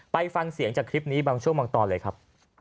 ไปฟังเสียงจากคลิปนี้บางช่วงบางตอนเลยครับ